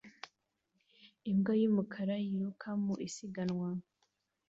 Imbwa y'umukara yiruka mu isiganwa